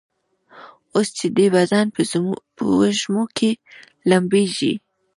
اوس چي دي بدن په وږمو کي لمبیږي